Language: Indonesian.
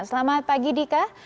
selamat pagi dika